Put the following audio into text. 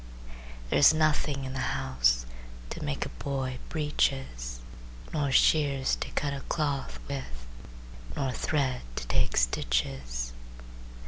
"There's nothing in the house To make a boy breeches, Nor shears to cut a cloth with Nor thread to take stitches.